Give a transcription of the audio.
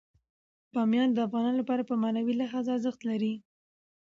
بامیان د افغانانو لپاره په معنوي لحاظ ارزښت لري.